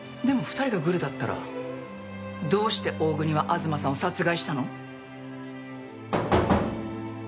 でも２人がグルだったらどうして大國は東さんを殺害したの？